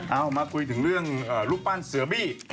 เอามาคุยถึงเรื่องรูปปั้นเสือบี้